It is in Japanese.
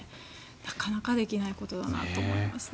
なかなかできないことだなと思いますね。